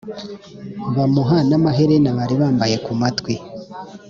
bamuha n amaherena bari bambaye ku matwi